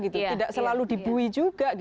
tidak selalu dibuih juga